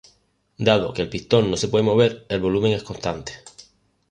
Dado que el pistón no se puede mover, el volumen es constante.